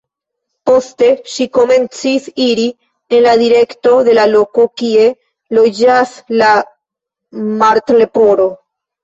Poste ŝi komencis iri en la direkto de la loko kie loĝas la Martleporo.